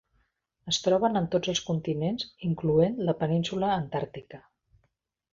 Es troben en tots els continents incloent la península antàrtica.